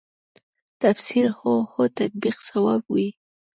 تفسیر هو هو تطبیق صواب وي.